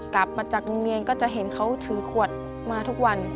กลับมาจากโรงเรียนก็จะเห็นเขาถือขวดมาทุกวัน